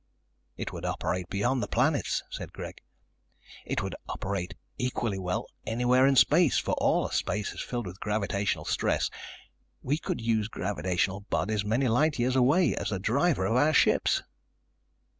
"It would operate beyond the planets," said Greg. "It would operate equally well anywhere in space, for all of space is filled with gravitational stress. We could use gravitational bodies many light years away as the driver of our ships."